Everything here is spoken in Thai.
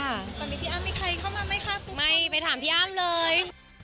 ไม่ไปถามพี่อ้ามเลย